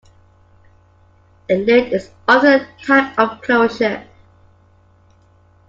A lid is often a type of closure.